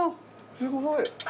すごい。